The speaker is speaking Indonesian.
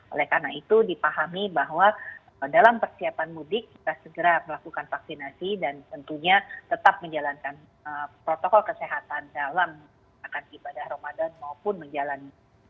oleh karena itu dipahami bahwa dalam persiapan mudik kita segera melakukan vaksinasi dan tentunya tetap menjalankan protokol kesehatan dalam akan ibadah ramadan maupun menjalani